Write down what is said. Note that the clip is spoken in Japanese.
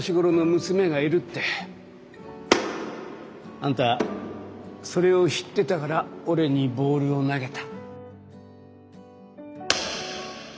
あんたそれを知ってたから俺にボールを投げた。